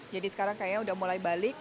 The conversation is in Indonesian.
jadi sekarang kayaknya sudah mulai balik